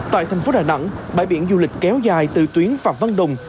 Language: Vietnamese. tại thành phố đà nẵng bãi biển du lịch kéo dài từ tuyến phạm văn đồng